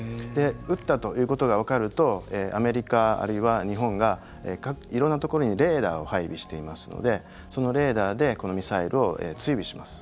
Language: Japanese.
撃ったということがわかるとアメリカあるいは日本が色んなところにレーダーを配備していますのでそのレーダーでこのミサイルを追尾します。